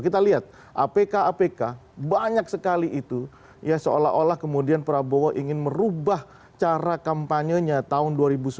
kita lihat apk apk banyak sekali itu ya seolah olah kemudian prabowo ingin merubah cara kampanyenya tahun dua ribu sembilan belas